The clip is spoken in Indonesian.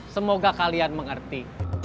semoga kalian mengerti